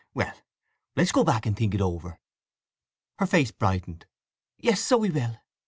Well, let's go back and think it over." Her face brightened. "Yes—so we will!"